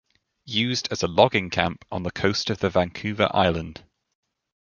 Used as a logging camp on the coast of the Vancouver Island.